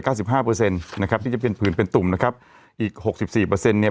สิบห้าเปอร์เซ็นต์นะครับที่จะเป็นผืนเป็นตุ่มนะครับอีกหกสิบสี่เปอร์เซ็นต์เนี่ย